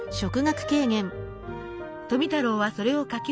富太郎はそれを描き